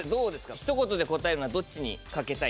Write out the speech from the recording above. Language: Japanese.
ひと言で答えるならどっちに賭けたい。